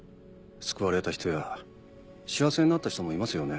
救われた人や幸せになった人もいますよね？